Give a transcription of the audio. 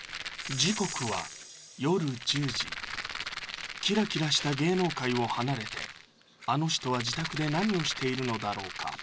時刻は夜１０時キラキラした芸能界を離れてあの人は自宅で何をしているのだろうか？